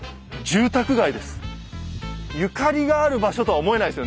住宅街です。